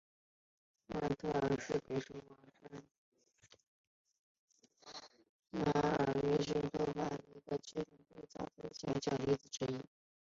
马约尔勒别墅是法国新艺术运动建筑风格最早和最有影响力的例子之一。